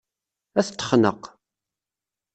Ad t-texneq.